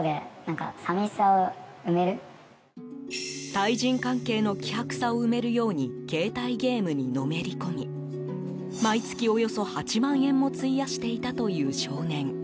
対人関係の希薄さを埋めるように携帯ゲームにのめり込み毎月、およそ８万円も費やしていたという少年。